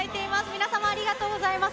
皆様、ありがとうございます。